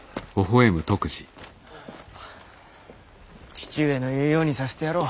父上の言うようにさせてやろう。